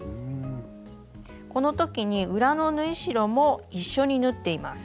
この時に裏の縫い代も一緒に縫っています。